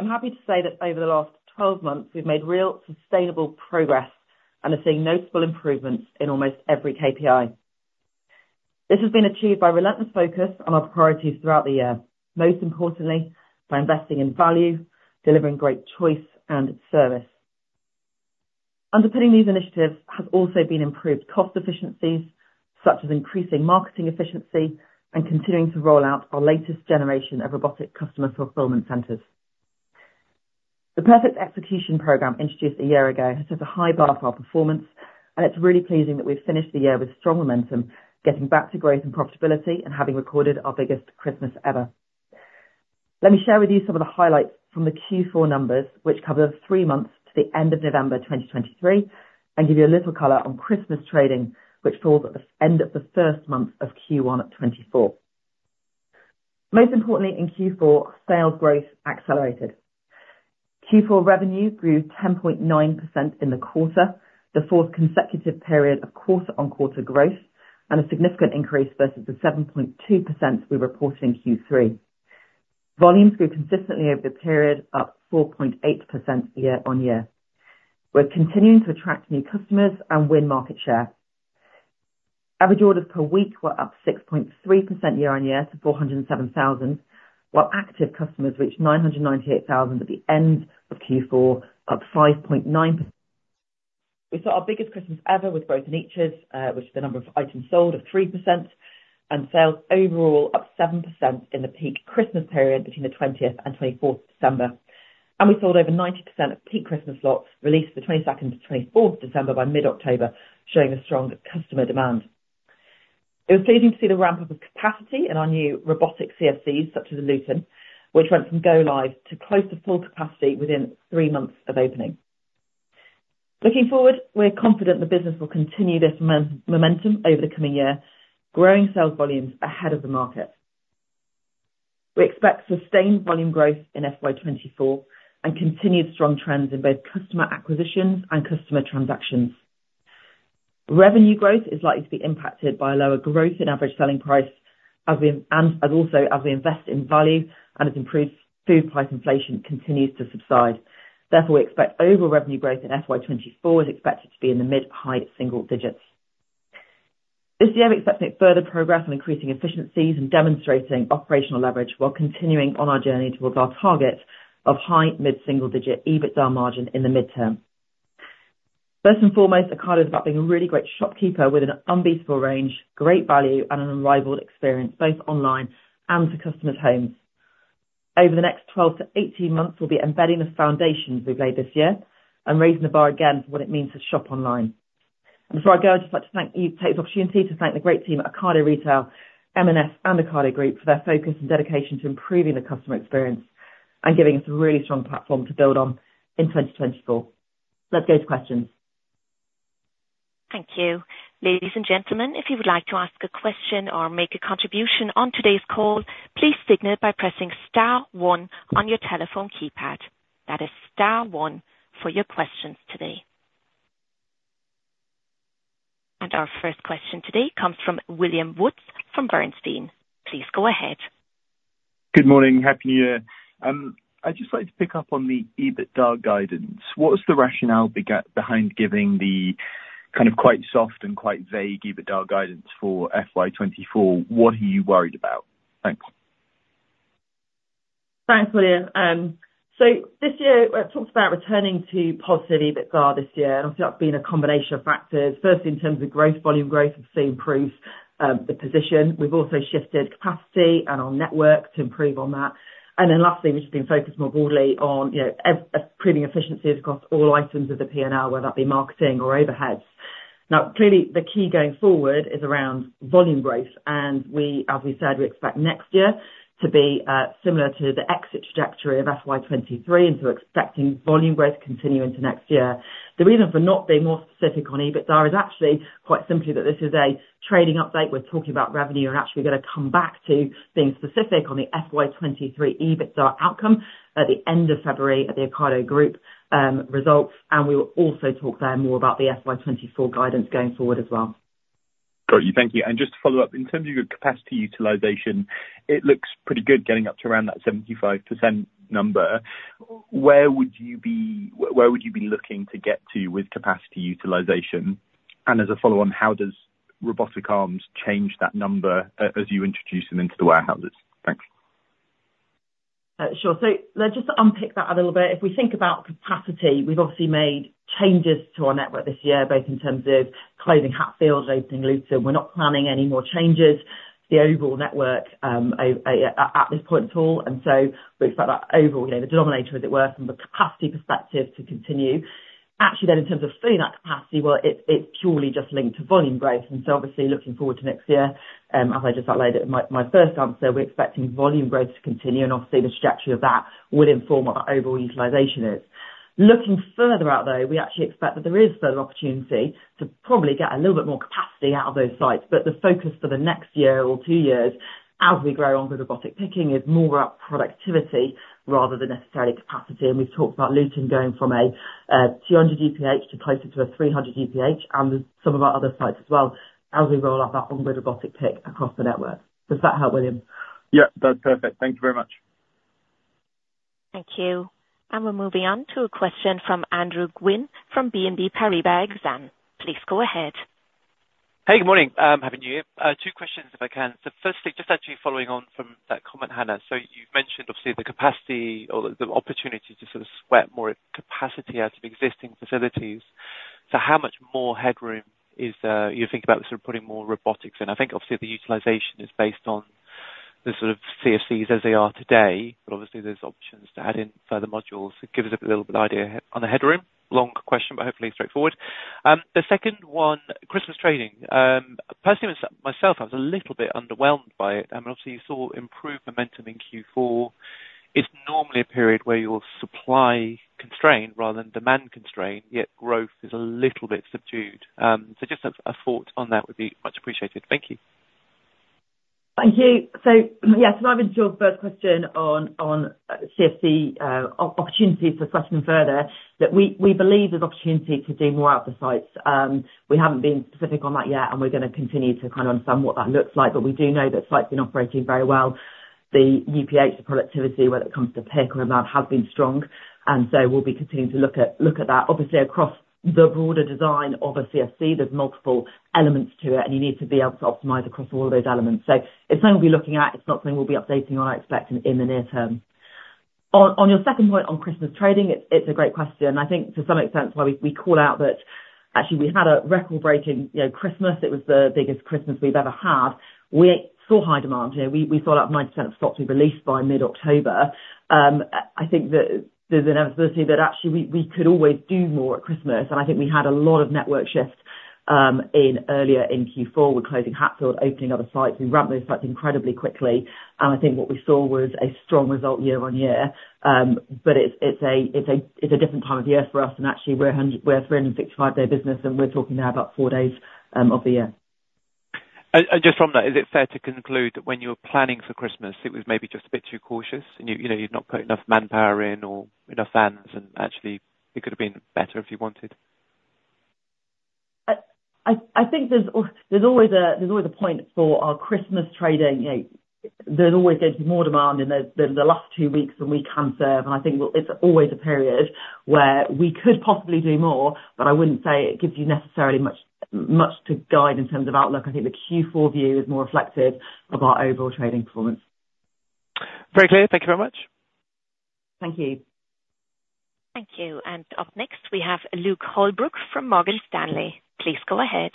I'm happy to say that over the last 12 months, we've made real sustainable progress and are seeing notable improvements in almost every KPI. This has been achieved by relentless focus on our priorities throughout the year, most importantly, by investing in value, delivering great choice and service. Underpinning these initiatives has also been improved cost efficiencies, such as increasing marketing efficiency and continuing to roll out our latest generation of robotic Customer Fulfillment Centers. The Perfect Execution program, introduced a year ago, has set a high bar for our performance, and it's really pleasing that we've finished the year with strong momentum, getting back to growth and profitability and having recorded our biggest Christmas ever. Let me share with you some of the highlights from the Q4 numbers, which cover the three months to the end of November 2023, and give you a little color on Christmas trading, which falls at the end of the first month of Q1 2024. Most importantly, in Q4, sales growth accelerated. Q4 revenue grew 10.9% in the quarter, the fourth consecutive period of quarter-on-quarter growth, and a significant increase versus the 7.2% we reported in Q3. Volumes grew consistently over the period, up 4.8% year-on-year. We're continuing to attract new customers and win market share. Average orders per week were up 6.3% year-on-year to 407,000, while active customers reached 998,000 at the end of Q4, up 5.9%. We saw our biggest Christmas ever with both metrics, which the number of items sold up 3% and sales overall up 7% in the peak Christmas period between the 20th and 24th of December. We sold over 90% of peak Christmas lots released the 22nd to 24th of December by mid-October, showing a strong customer demand. It was pleasing to see the ramp up of capacity in our new robotic CFCs, such as Luton, which went from go live to close to full capacity within three months of opening. Looking forward, we're confident the business will continue this momentum over the coming year, growing sales volumes ahead of the market. We expect sustained volume growth in FY 2024 and continued strong trends in both customer acquisitions and customer transactions. Revenue growth is likely to be impacted by lower growth in average selling price, as we... Also as we invest in value and as improved food price inflation continues to subside. Therefore, we expect overall revenue growth in FY 2024 is expected to be in the mid-high single digits. This year, we're expecting further progress on increasing efficiencies and demonstrating operational leverage while continuing on our journey towards our target of high mid-single digit EBITDA margin in the midterm. First and foremost, Ocado is about being a really great shopkeeper with an unbeatable range, great value, and an unrivaled experience, both online and to customers' homes. Over the next 12 to 18 months, we'll be embedding the foundations we've laid this year and raising the bar again for what it means to shop online. Before I go, I'd just like to take this opportunity to thank the great team at Ocado Retail, M&S, and Ocado Group for their focus and dedication to improving the customer experience and giving us a really strong platform to build on in 2024. Let's go to questions. Thank you. Ladies and gentlemen, if you would like to ask a question or make a contribution on today's call, please signal by pressing star one on your telephone keypad. That is star one for your questions today. Our first question today comes from William Woods from Bernstein. Please go ahead. Good morning. Happy New Year. I'd just like to pick up on the EBITDA guidance. What is the rationale behind giving the kind of quite soft and quite vague EBITDA guidance for FY 2024? What are you worried about? Thanks. Thanks, William. This year, I talked about returning to positive EBITDA this year, and obviously that's been a combination of factors. First, in terms of growth, volume growth, we've seen improve the position. We've also shifted capacity and our network to improve on that. Then lastly, we've just been focused more broadly on, you know, improving efficiencies across all items of the P&L, whether that be marketing or overheads. Now, clearly, the key going forward is around volume growth, and as we said, we expect next year to be similar to the exit trajectory of FY 2023, and so we're expecting volume growth to continue into next year. The reason for not being more specific on EBITDA is actually quite simply that this is a trading update. We're talking about revenue. We're actually going to come back to being specific on the FY 2023 EBITDA outcome at the end of February at the Ocado Group results, and we will also talk there more about the FY 2024 guidance going forward as well. Got you. Thank you. Just to follow up, in terms of your capacity utilization, it looks pretty good getting up to around that 75% number. Where would you be... where would you be looking to get to with capacity utilization? And as a follow-on, how does robotic arms change that number as you introduce them into the warehouses? Thanks. Sure. Let's just unpick that a little bit. If we think about capacity, we've obviously made changes to our network this year, both in terms of closing Hatfield, opening Luton. We're not planning any more changes to the overall network at this point at all. And so we expect that overall, you know, the denominator, as it were, from the capacity perspective to continue. Actually, then, in terms of filling that capacity, well, it's purely just linked to volume growth. Obviously, looking forward to next year, as I just outlined in my first answer, we're expecting volume growth to continue, and obviously the trajectory of that will inform what our overall utilization is. Looking further out, though, we actually expect that there is further opportunity to probably get a little bit more capacity out of those sites. But the focus for the next year or two years, as we grow onward robotic picking, is more about productivity rather than necessarily capacity. And we've talked about Luton going from a 200 DPH to closer to a 300 UPH pick across the network. Does that help, William? Yeah, that's perfect. Thank you very much. Thank you. We're moving on to a question from Andrew Gwynn from BNP Paribas Exane. Please go ahead. Hey, good morning. Happy new year. Two questions, if I can. Firstly, just actually following on from that comment, Hannah. So you've mentioned obviously, the capacity or the opportunity to sort of sweat more capacity out of existing facilities. How much more headroom is, you think about sort of putting more robotics in? I think obviously the utilization is based on the sort of CFCs as they are today, but obviously there's options to add in further modules. So give us a little bit idea on the headroom. Long question, but hopefully straightforward. The second one, Christmas trading. Personally, myself, I was a little bit underwhelmed by it. Obviously you saw improved momentum in Q4. It's normally a period where you're supply constrained rather than demand constrained, yet growth is a little bit subdued. Just a thought on that would be much appreciated. Thank you. Thank you. Yes, moving to your first question on CFC opportunities for pressing further, that we believe there's opportunity to do more at the sites. We haven't been specific on that yet, and we're gonna continue to kind of understand what that looks like, but we do know that site's been operating very well. The UPH, the productivity, whether it comes to pick or amount, has been strong, and so we'll be continuing to look at that. Obviously, across the broader design of a CFC, there's multiple elements to it, and you need to be able to optimize across all those elements. It's something we'll be looking at. It's not something we'll be updating on, I expect, in the near term. On your second point on Christmas trading, it's a great question. I think to some extent it's why we, we call out that actually we had a record-breaking, you know, Christmas. It was the biggest Christmas we've ever had. We saw high demand. You know, we, we sold out 90% of slots we released by mid-October. I think that there's an adversity that actually we, we could always do more at Christmas, and I think we had a lot of network shift, in earlier in Q4. We're closing Hatfield, opening other sites. We ramped those sites incredibly quickly, and I think what we saw was a strong result year on year. But it's, it's a, it's a, it's a different time of year for us, and actually we're a 100- we're a 365 day business, and we're talking now about four days, of the year. And just from that, is it fair to conclude that when you were planning for Christmas, it was maybe just a bit too cautious? And you know, you've not put enough manpower in or enough vans, and actually it could have been better if you wanted? I think there's always a point for our Christmas trading, you know. There's always going to be more demand in the last two weeks than we can serve, and I think that it's always a period where we could possibly do more, but I wouldn't say it gives you necessarily much, much to guide in terms of outlook. I think the Q4 view is more reflective of our overall trading performance. Very clear. Thank you very much. Thank you. Thank you, and up next, we have Luke Holbrook from Morgan Stanley. Please go ahead.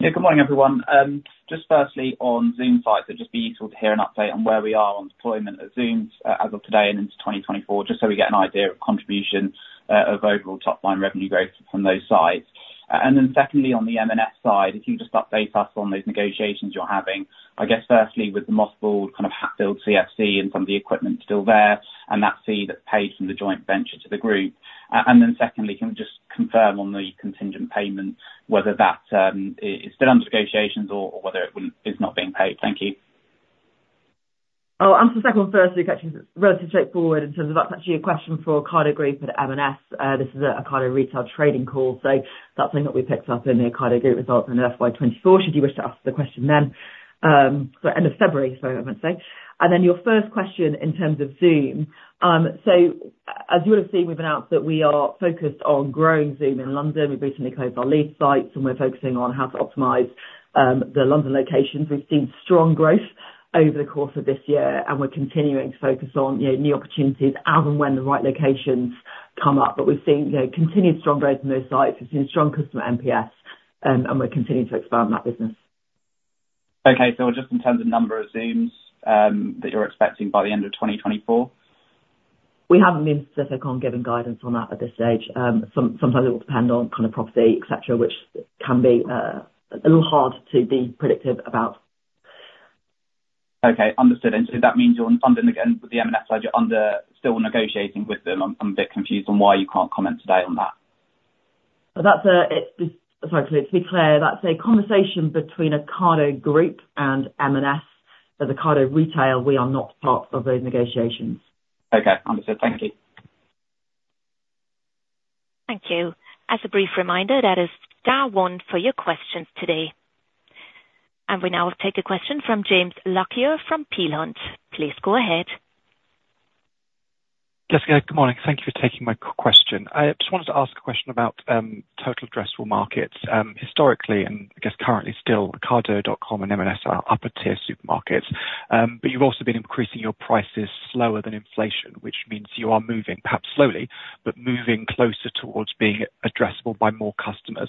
Yeah, good morning, everyone. Just firstly, on Zoom sites, I'd just be eager to hear an update on where we are on deployment of Zooms as of today and into 2024, just so we get an idea of contribution of overall top line revenue growth from those sites. Then secondly, on the M&S side, if you could just update us on those negotiations you're having. I guess firstly, with the possible kind of Hatfield CFC and some of the equipment still there, and that fee that's paid from the joint venture to the group. And then secondly, can you just confirm on the contingent payments, whether that is still under negotiations or whether it is not being paid? Thank you. Oh, on the second one first, Luke, actually, it's relatively straightforward in terms of that's actually a question for Ocado Group at M&S. This is a Ocado Retail trading call, so that's something that we picked up in the Ocado Group results in FY 2024, should you wish to ask the question then. So end of February, so I would say. Then your first question in terms of Zoom. So as you would have seen, we've announced that we are focused on growing Zoom in London. We recently closed our Leeds site, and we're focusing on how to optimize the London locations. We've seen strong growth over the course of this year, and we're continuing to focus on, you know, new opportunities as and when the right locations come up. But we've seen, you know, continued strong growth in those sites. We've seen strong customer NPS, and we're continuing to expand that business. Okay. Just in terms of number of Zooms that you're expecting by the end of 2024? We haven't been specific on giving guidance on that at this stage. Sometimes it will depend on kind of property, et cetera, which can be a little hard to be predictive about. Okay, understood. And so that means you're on the negotiation with the M&S side, you're under... Still negotiating with them. I'm a bit confused on why you can't comment today on that. Well, that's... Sorry, to be clear, that's a conversation between Ocado Group and M&S. As Ocado Retail, we are not part of those negotiations. Okay. Understood. Thank you. Thank you. As a brief reminder, that is star one for your questions today. We now take a question from James Sherwin-Smith from Peel Hunt. Please go ahead. Jessica, good morning. Thank you for taking my question. I just wanted to ask a question about total addressable markets. Historically, and I guess currently still, Ocado.com and M&S are upper tier supermarkets. But you've also been increasing your prices slower than inflation, which means you are moving, perhaps slowly, but moving closer towards being addressable by more customers.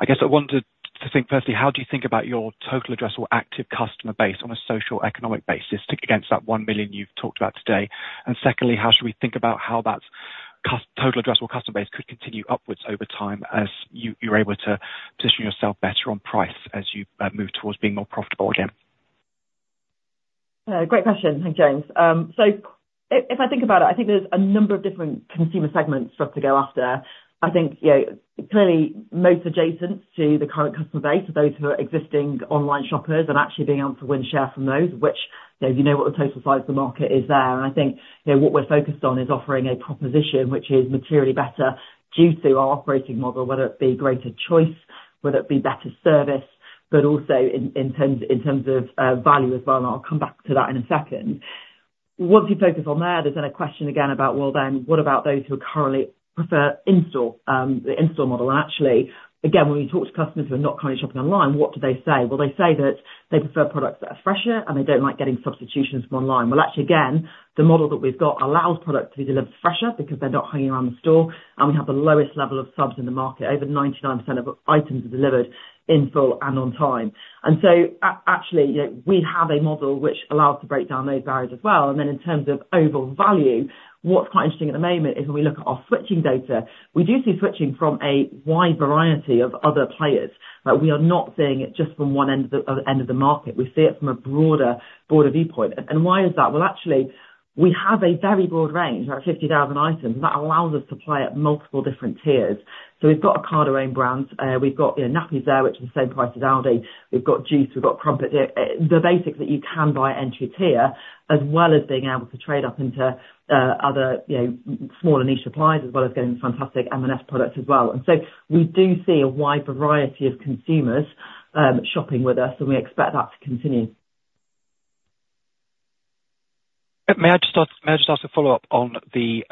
I guess I wanted to think, firstly, how do you think about your total addressable active customer base on a social economic basis against that 1 million you've talked about today? Secondly, how should we think about how that total addressable customer base could continue upwards over time as you, you're able to position yourself better on price, as you move towards being more profitable again? Great question. Thank you, James. If I think about it, I think there's a number of different consumer segments for us to go after. I think, you know, clearly most adjacent to the current customer base, are those who are existing online shoppers and actually being able to win share from those, which, you know, you know what the total size of the market is there. I think, you know, what we're focused on is offering a proposition which is materially better due to our operating model, whether it be greater choice, whether it be better service... but also in, in terms, in terms of, value as well, and I'll come back to that in a second. Once you focus on that, there's then a question again about, well, then what about those who are currently prefer in-store, the in-store model? Actually, again, when we talk to customers who are not currently shopping online, what do they say? Well, they say that they prefer products that are fresher, and they don't like getting substitutions from online. Well, actually again, the model that we've got allows product to be delivered fresher, because they're not hanging around the store, and we have the lowest level of subs in the market. Over 99% of items are delivered in full and on time. Actually, you know, we have a model which allows to break down those barriers as well. And then in terms of overall value, what's quite interesting at the moment is when we look at our switching data, we do see switching from a wide variety of other players, but we are not seeing it just from one end of the end of the market. We see it from a broader viewpoint. And why is that? Well, actually, we have a very broad range, about 50,000 items, that allows us to play at multiple different tiers. We've got Ocado own brands, we've got, you know, nappies there, which are the same price as Aldi. We've got juice, we've got crumpet, the basics that you can buy entry tier, as well as being able to trade up into, other, you know, smaller niche suppliers, as well as getting fantastic M&S products as well. We do see a wide variety of consumers, shopping with us, and we expect that to continue. May I just ask, may I just ask a follow-up on the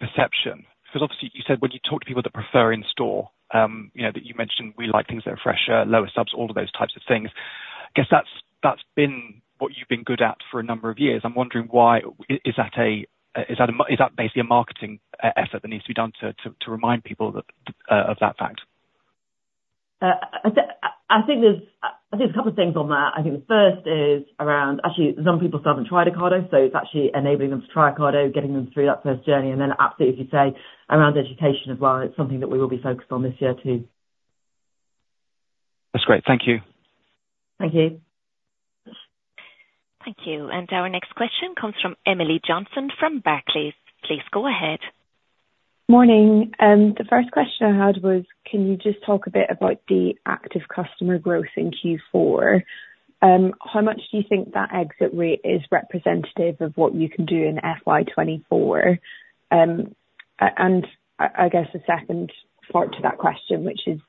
perception? Because obviously you said when you talk to people that prefer in-store, you know, that you mentioned we like things that are fresher, lower subs, all of those types of things. I guess that's, that's been what you've been good at for a number of years. I'm wondering why... is that basically a marketing effort that needs to be done to, to, to remind people that of that fact? I think there's, I think a couple of things on that. I think the first is around... Actually, some people still haven't tried Ocado, so it's actually enabling them to try Ocado, getting them through that first journey, and then absolutely, as you say, around education as well. It's something that we will be focused on this year, too. That's great. Thank you. Thank you. Thank you. And our next question comes from Emily Johnson from Barclays. Please go ahead. Morning. The first question I had was, can you just talk a bit about the active customer growth in Q4? How much do you think that exit rate is representative of what you can do in FY 2024? I guess a second part to that question, which is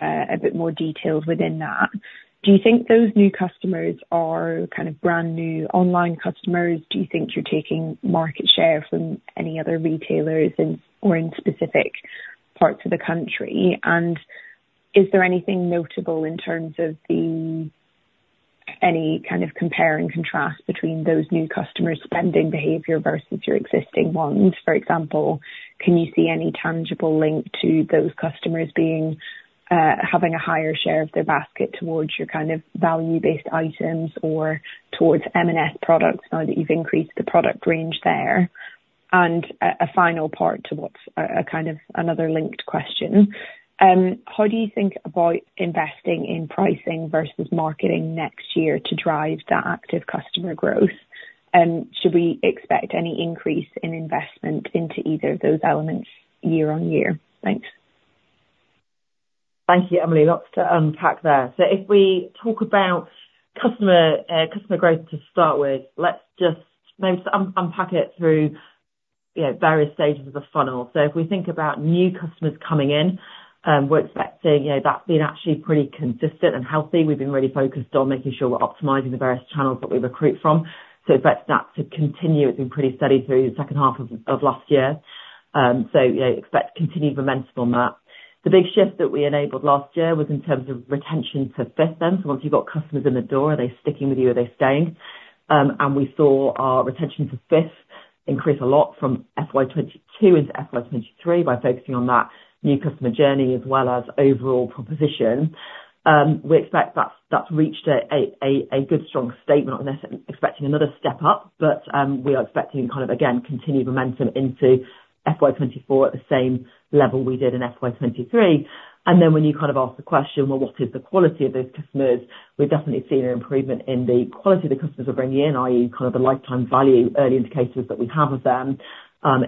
a bit more detailed within that. Do you think those new customers are kind of brand new online customers? Do you think you're taking market share from any other retailers in, or in specific parts of the country? Is there anything notable in terms of the, any kind of compare and contrast between those new customers' spending behavior versus your existing ones? For example, can you see any tangible link to those customers being, having a higher share of their basket towards your kind of value-based items or towards M&S products now that you've increased the product range there? And a final part to what's a kind of another linked question. How do you think about investing in pricing versus marketing next year to drive that active customer growth? Sshould we expect any increase in investment into either of those elements year on year? Thanks. Thank you, Emily. Lots to unpack there. If we talk about customer growth to start with, let's just maybe unpack it through, you know, various stages of the funnel. If we think about new customers coming in, we're expecting, you know, that's been actually pretty consistent and healthy. We've been really focused on making sure we're optimizing the various channels that we recruit from. So expect that to continue, it's been pretty steady through the second half of last year. You know, expect continued momentum on that. The big shift that we enabled last year was in terms of retention for fifth, then. Once you've got customers in the door, are they sticking with you? Are they staying? We saw our retention for fifth increase a lot from FY 2022 into FY 2023, by focusing on that new customer journey as well as overall proposition. We expect that's reached a good strong statement on this, expecting another step up, but we are expecting kind of, again, continued momentum into FY 2024 at the same level we did in FY 2023. And then when you kind of ask the question, "Well, what is the quality of those customers?" We're definitely seeing an improvement in the quality of the customers we're bringing in, i.e., kind of the lifetime value, early indicators that we have of them,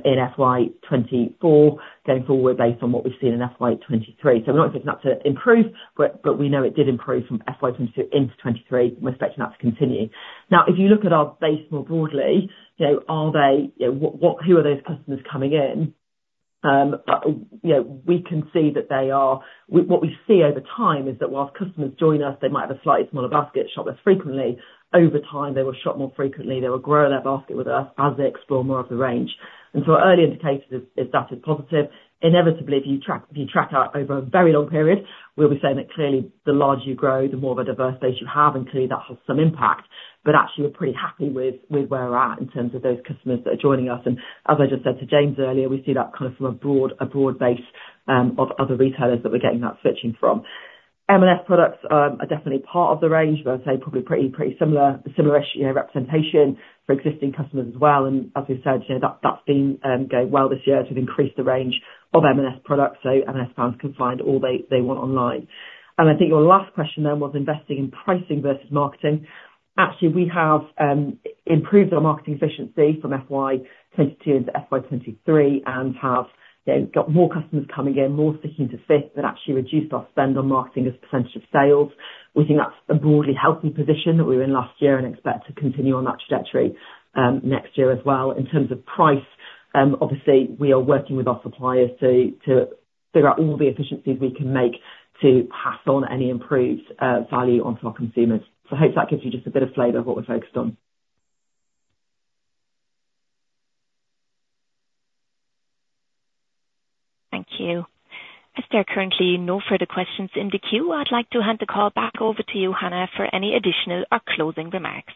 in FY 2024, going forward based on what we've seen in FY 2023. So we're not giving that to improve, but we know it did improve from FY 2022 into 2023. We're expecting that to continue. Now, if you look at our base more broadly, you know, are they... You know, what, who are those customers coming in? you know, we can see that they are... What we see over time, is that while customers join us, they might have a slightly smaller basket, shop less frequently. Over time, they will shop more frequently, they will grow their basket with us as they explore more of the range. So our early indicators is that is positive. Inevitably, if you track out over a very long period, we'll be saying that clearly the larger you grow, the more of a diverse base you have, and clearly that has some impact. But actually, we're pretty happy with where we're at in terms of those customers that are joining us. As I just said to James earlier, we see that kind of from a broad base of other retailers that we're getting that switching from. M&S products are definitely part of the range, but I'd say probably pretty similar issue, you know, representation for existing customers as well. Ands we've said, you know, that's been going well this year to increase the range of M&S products, so M&S customers can find all they want online. I think your last question then was investing in pricing versus marketing. Actually, we have improved our marketing efficiency from FY 2022 to FY 2023, and have, you know, got more customers coming in, more sticking with us, but actually reduced our spend on marketing as a percentage of sales. We think that's a broadly healthy position that we were in last year and expect to continue on that trajectory next year as well. In terms of price, obviously, we are working with our suppliers to figure out all the efficiencies we can make to pass on any improved value onto our consumers. I hope that gives you just a bit of flavor of what we're focused on. Thank you. As there are currently no further questions in the queue, I'd like to hand the call back over to you, Hannah, for any additional or closing remarks.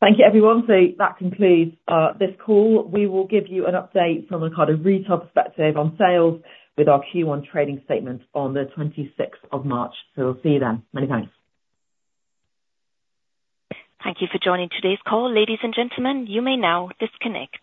Thank you, everyone. That concludes this call. We will give you an update from an Ocado Retail perspective on sales with our Q1 trading statement on the twenty-sixth of March. We'll see you then. Many thanks. Thank you for joining today's call, ladies and gentlemen. You may now disconnect.